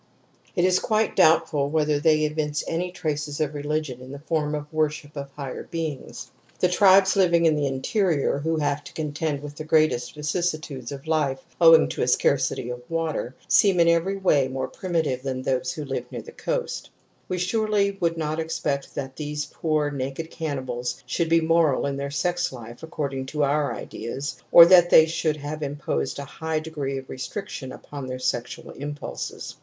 It is quite doubtful whether they evince any traces of ^\/ THE SAVAGE'S DREAD OF INCEST 8 i religion in the form of worship of higher beings. I The tribes hving in the interior who have to I contend with the greatest vicissitudes of life , f owing to a scarcity of water, see m in every way J more primitive than those who Uve near the I coast. •' We surely would not expect that these poor J naked cannibals should be moral in their sex f life according to our ideas, or that they should have imposed a high degree of restriction upon their sexual impulses.